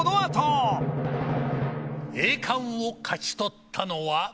栄冠を勝ち取ったのは。